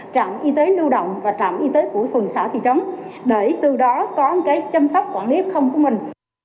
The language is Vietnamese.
trạm y tế lưu động và trạm y tế của phường sở thị trấn để từ đó có chăm sóc quản lý f của mình